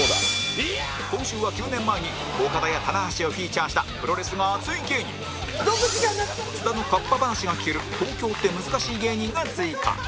今週は９年前にオカダや棚橋をフィーチャーしたプロレスが熱い芸人津田のカッパ話が聞ける東京って難しい芸人が追加